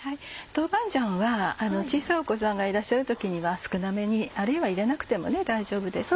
豆板醤は小さいお子さんがいらっしゃる時には少なめにあるいは入れなくても大丈夫です。